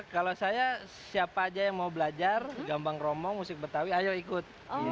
kalau saya siapa aja yang mau belajar gambang kromong musik betawi ayo ikut